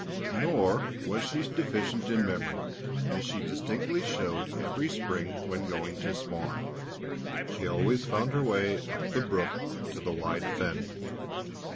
Nor was she deficient in memory, as she distinctly showed every spring when going to spawn; she always found her way up the brook to the wide fen.